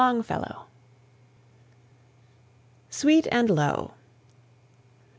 LONGFELLOW. SWEET AND LOW.